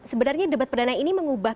sebenarnya debat perdana ini mengubah